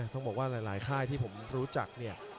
ต้องบอกว่าหลายค่ายที่ผมรู้จักเนี่ย